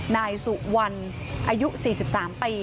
นายสุวรรณอายุ๔๓ปี